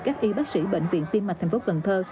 các y bác sĩ bệnh viện tim mạch thành phố cần thơ